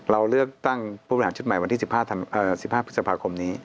เราเลือกตั้งผู้บริหารชุดใหม่วันที่๑๕พฤษภาคมนี้